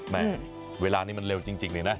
เวลานี้มันเร็วจริงเลยนะ